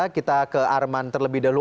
kita ke arman terlebih dahulu